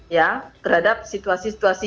ya terhadap situasi situasi